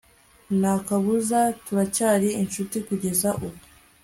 nakabuza turacyari inshuti kugeza ubu